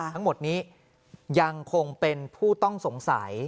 ทั้งหมดนี้ยังคงเป็นผู้ต้องสงสัย